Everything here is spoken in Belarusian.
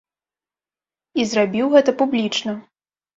І зрабіў гэта публічна.